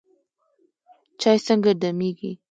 چای څنګه دمیږي؟